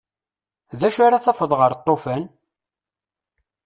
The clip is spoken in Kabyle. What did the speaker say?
D acu ara tafeḍ ɣer lṭufan?